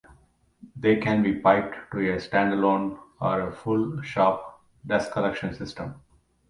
They can be piped to a stand-alone or full shop dust collection system.